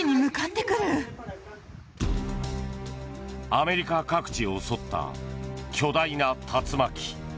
アメリカ各地を襲った巨大な竜巻。